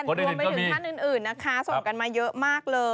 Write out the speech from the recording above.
รวมไปถึงท่านอื่นส่งมาเยอะมาก